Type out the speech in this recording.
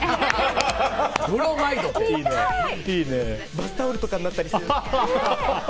バスタオルとかになったりしてるんです。